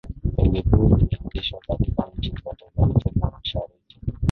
benki kuu zilianzishwa katika nchi zote za afrika mashariki